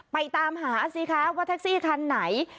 ตามหาสิคะว่าแท็กซี่คันไหน